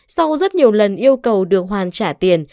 sau rất nhiều lần yêu cầu được hoàn trả tiền